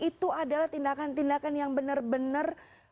itu adalah tindakan tindakan yang benar benar